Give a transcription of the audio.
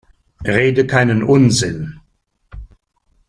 Rede keinen Unsinn!